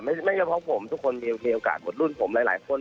ไม่เฉพาะผมทุกคนมีโอกาสหมดรุ่นผมหลายคน